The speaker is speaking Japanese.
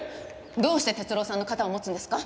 どうして哲郎さんの肩を持つんですか？